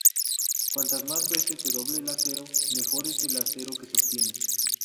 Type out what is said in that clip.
Cuantas más veces se doble el acero, mejor es el acero que se obtiene.